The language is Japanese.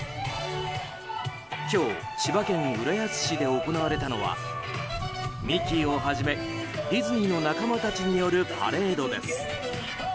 今日、千葉県浦安市で行われたのはミッキーをはじめ、ディズニーの仲間たちによるパレードです。